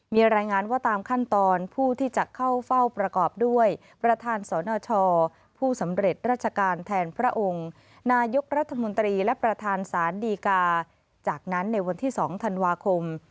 มีรายงานว่าตามขั้นตอนผู้ที่จะเข้าเฝ้าประกอบด้วยประธานสนชผู้สำเร็จราชการแทนพระองค์นายกรัฐมนตรีและประธานศาลดีกาจากนั้นในวันที่๒ธันวาคม